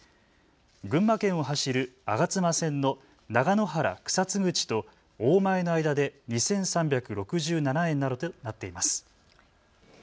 群馬県を走る吾妻線の長野原草津口と大前の間で２３６７円などとなっています。